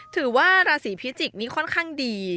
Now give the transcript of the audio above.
ถือว่าราศีพิจิกษ์นี้ค่อนข้างดี